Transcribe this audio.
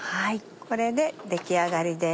これで出来上がりです。